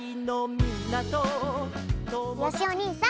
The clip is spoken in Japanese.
よしおにいさん